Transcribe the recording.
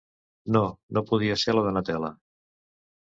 No, no podia ser la Donatella...